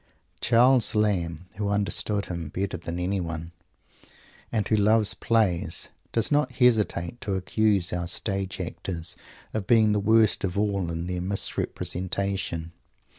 Charles Lamb, who understood him better than anyone and who loved Plays does not hesitate to accuse our Stage Actors of being the worst of all in their misrepresentation.